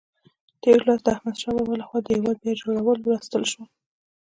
تېر لوست د احمدشاه بابا لخوا د هېواد بیا جوړول ولوستل شول.